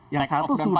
yang satu sudah